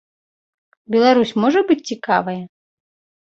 Беларусь можа быць цікавая?